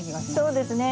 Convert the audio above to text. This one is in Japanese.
そうですね。